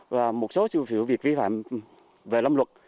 và một số sự việc vi phạm về lâm luật